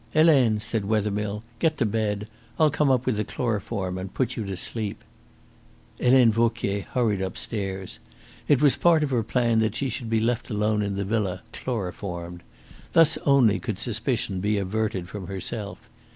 "Helene," said Wethermill, "get to bed. I'll come up with the chloroform and put you to sleep." Helene Vauquier hurried upstairs. It was part of her plan that she should be left alone in the villa chloroformed. Thus only could suspicion be averted from herself.